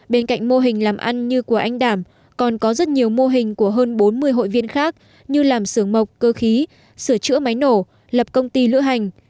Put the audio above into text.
bên cạnh mô hình làm ăn như của anh đảm còn có rất nhiều mô hình của hơn bốn mươi hội viên khác như làm sưởng mộc cơ khí sửa chữa máy nổ lập công ty lữ hành